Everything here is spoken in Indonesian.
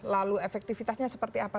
lalu efektivitasnya seperti apa